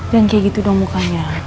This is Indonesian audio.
yang kayak gitu dong mukanya